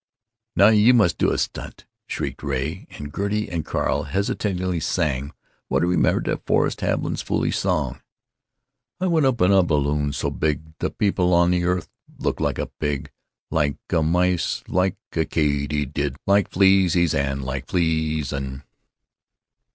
"Now you must do a stunt!" shrieked Ray and Gertie; and Carl hesitatingly sang what he remembered of Forrest Haviland's foolish song: "I went up in a balloon so big The people on the earth they looked like a pig, Like a mice, like a katydid, like flieses and like fleasen."